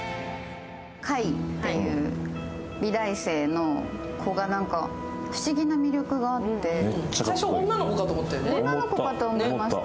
海っていう美大生の子が不思議な魅力があって女の子かと思いました。